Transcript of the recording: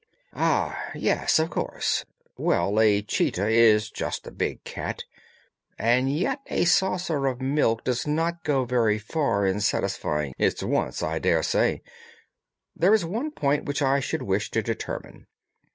"Ah, yes, of course! Well, a cheetah is just a big cat, and yet a saucer of milk does not go very far in satisfying its wants, I daresay. There is one point which I should wish to determine."